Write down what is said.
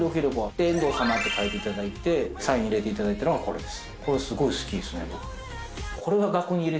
で、遠藤様って描いていただいてサインを入れていただいたのが、これです。